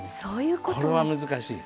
これは難しい。